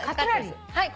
はい。